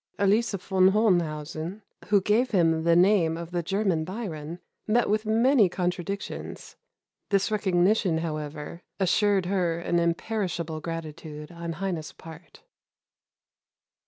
Elise von Hohenhausen, who gave him the name of the German Byron, met with many contradictions. This recognition, however, assured her an imperishable gratitude on Heine's part."